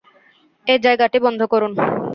এই জায়গাটি বন্ধ করুন।